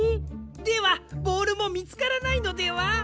ではボールもみつからないのでは？